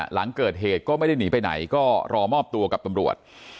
หลังเกิดเหตุก็ไม่ได้หนีไปไหนก็รอมอบตัวกับตำรวจ